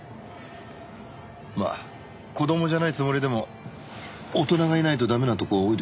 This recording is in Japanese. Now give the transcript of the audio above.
まあ子供じゃないつもりでも大人がいないと駄目なとこは多いでしょ。